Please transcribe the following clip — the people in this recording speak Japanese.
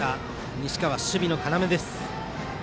西川、守備の要です。